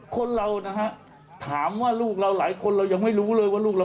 คนเรานะฮะถามว่าลูกเราหลายคนเรายังไม่รู้เลยว่าลูกเรา